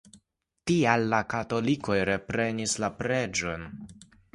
Tial la katolikoj reprenis la preĝejon.